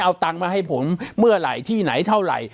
เอาตังค์มาให้ผมเมื่อไหร่ที่ไหนเท่าไหร่